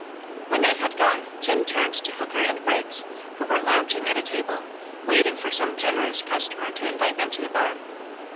When they had gone Tim turned to Hooker and Briggs, who were lounging at a table, waiting for some generous customer to invite them to the bar.